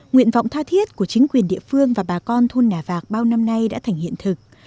nguyện vọng tha thiết của chính quyền địa phương và bà con thôn nà vạc bao năm nay đã thành hiện thực